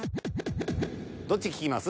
どっち聞きます？